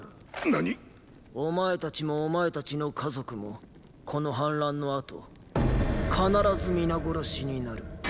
何⁉お前たちもお前たちの家族もこの反乱の後必ず皆殺しになる。